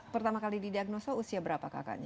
pertama kali didiagnosa usia berapa kakaknya